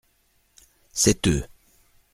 C’est eux.